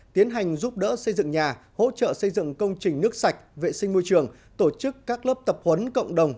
tiến hành giúp đỡ xây dựng nhà hỗ trợ xây dựng công trình nước sạch vệ sinh môi trường tổ chức các lớp tập huấn cộng đồng